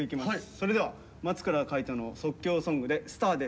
それでは松倉海斗の即興ソングで「ＳＴＡＲ」です。